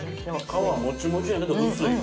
皮もちもちやけど薄い。